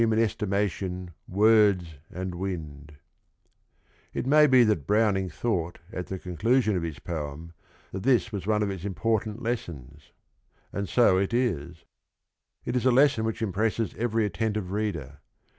n patjmfl±igT^jwnrrlg anrl wjnH " It may be that Browning thought at the con clusion of his poem that this was one of its im portant lessons ; and so it is. It is a lesson which impresses every attentive reader.